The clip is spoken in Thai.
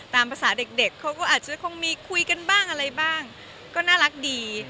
ตามภาษาเด็กเขาก็อาจจะคงมีคุยกันบ้างอะไรบ้างก็น่ารักดี